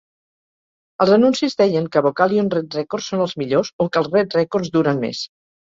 Els anuncis deien que "Vocalion Red Records són els millors" o que "els Red Records duren més".